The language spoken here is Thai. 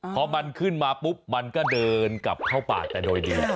พอมันขึ้นมาปุ๊บมันก็เดินกลับเข้าป่าแต่โดยดี